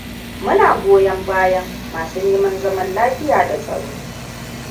Muna goyon bayan: Masu neman zaman lafiya da tsaro.